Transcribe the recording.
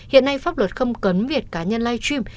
hiện nay pháp luật không cấn việc cá nhân live stream